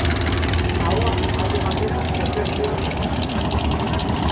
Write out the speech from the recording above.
Ahoa alde batera okertua dute.